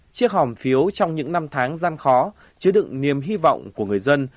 chiếc hòm phiếu trong những năm tháng gian khó chứa đựng niềm hy vọng của người dân